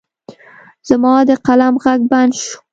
زما د قلم غږ بند شو.